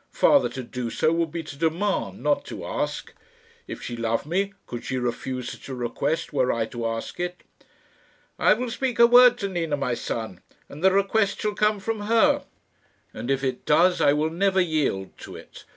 Father, to do so would be to demand, not to ask. If she love me, could she refuse such a request were I to ask it?" "I will speak a word to Nina, my son, and the request shall come from her." "And if it does, I will never yield to it.